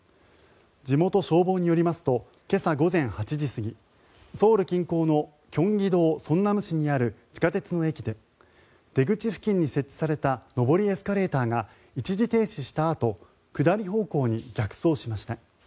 地元消防によりますと今朝午前８時過ぎソウル近郊の京畿道城南市にある地下鉄の駅で出口付近に設置された上りエスカレーターが一時停止したあと下り方向に逆走しました。